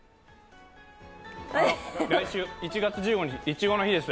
来週、１月１５日、いちごの日です。